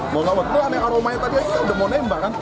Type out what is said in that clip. mau gak buat berani aromanya tadi ya kita udah mau nembak kan